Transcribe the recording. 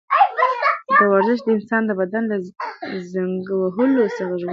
ورزش د انسان بدن له زنګ وهلو څخه ژغوري.